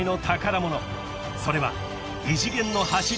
［それは］